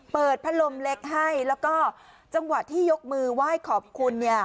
เปิดพัดลมเล็กให้แล้วก็จังหวะที่ยกมือไหว้ขอบคุณเนี่ย